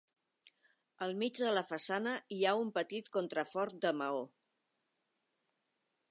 Al mig de la façana hi ha un petit contrafort de maó.